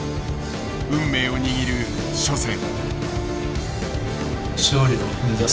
運命を握る初戦。